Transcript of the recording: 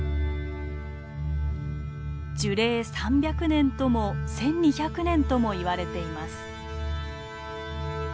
樹齢３００年とも１，２００年ともいわれています。